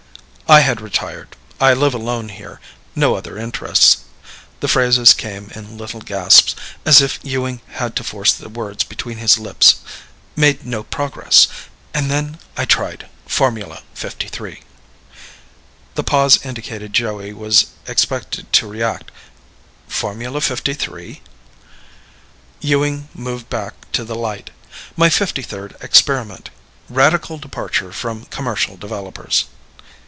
"I had retired. I live alone here. No other interests." The phrases came in little gasps, as if Ewing had to force the words between his lips. "Made no progress. And then, I tried Formula #53." The pause indicated Joey was expected to react. "Formula #53?" Ewing moved back to the light. "My fifty third experiment. Radical departure from commercial developers."